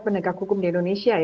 penegak hukum di indonesia